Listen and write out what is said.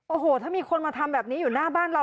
โอ้โหถ้ามีคนมาทำแบบนี้อยู่หน้าบ้านเรา